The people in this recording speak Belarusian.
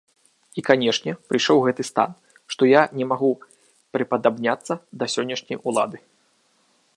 І, канешне, прыйшоў гэты стан, што я не магу прыпадабняцца да сённяшняй улады.